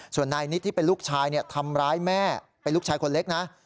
ส่วนนายนิดที่เป็นลูกชายทำร้ายแม่เป็นลูกชายคนเล็กนะ